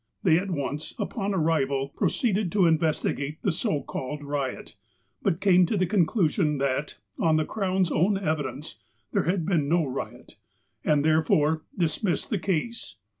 They at once, upon arrival, proceeded to in vestigate the so called riot ; but came to the conclusion that, on the Crown' s own evidence, there had been no riot, and, therefore, dismissed the case.